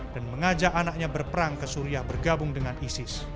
dan mengajak anaknya berperang ke suriah bergabung dengan isis